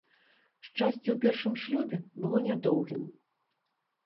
Шчасце ў першым шлюбе было нядоўгім.